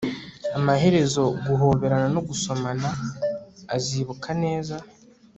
amaherezo guhobera no gusomana azibuka neza